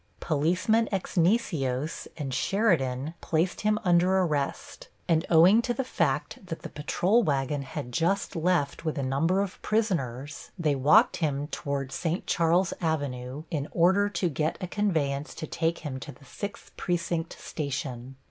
Policeman Exnicios and Sheridan placed him under arrest, and owing to the fact that the patrol wagon had just left with a number of prisoners, they walked him toward St. Charles Avenue in order to get a conveyance to take him to the Sixth Precinct station.